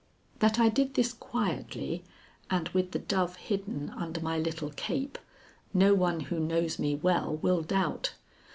That I did this quietly and with the dove hidden under my little cape, no one who knows me well will doubt.